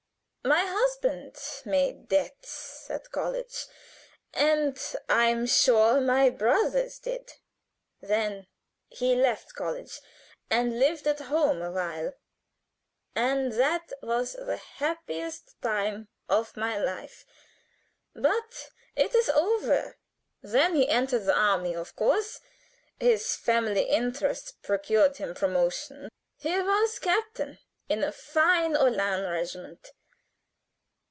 "My husband made debts at college, and I am sure my brothers did. Then he left college and lived at home awhile, and that was the happiest time of my life. But it is over. "Then he entered the army of course. His family interest procured him promotion. He was captain in a fine Uhlan regiment.